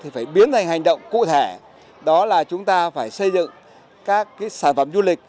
phải biến thành hành động cụ thể đó là chúng ta phải xây dựng các sản phẩm du lịch